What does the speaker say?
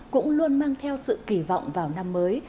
cũng luôn mang theo sự kỳ vọng vào năm mới